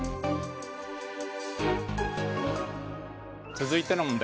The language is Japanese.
続いての問題